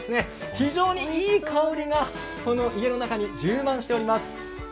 非常にいい香りが家の中に充満しております。